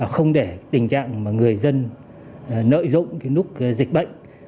không để tình trạng người dân nợi dụng lúc dịch bệnh